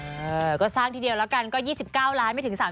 เออก็สร้างทีเดียวแล้วกันก็๒๙ล้านไม่ถึง๓๐๐